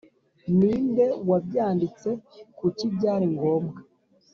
Ni nde wabyanditse Kuki byari ngombwa